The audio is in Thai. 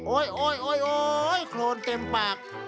โอ้ยโคลนเต็มปาก